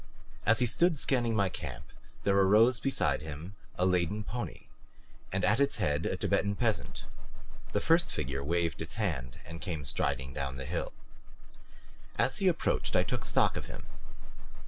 As he stood scanning my camp there arose beside him a laden pony, and at its head a Tibetan peasant. The first figure waved its hand; came striding down the hill. As he approached I took stock of him.